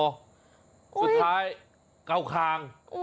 สุดท้ายกล่าวคาง